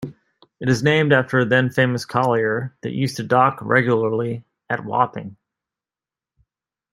It is named after a then-famous collier that used to dock regularly at Wapping.